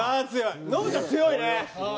ノブちゃん、強いね。